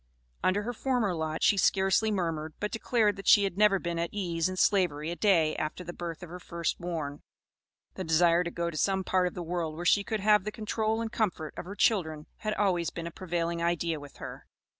Under her former lot she scarcely murmured, but declared that she had never been at ease in Slavery a day after the birth of her first born. The desire to go to some part of the world where she could have the control and comfort of her children, had always been a prevailing idea with her.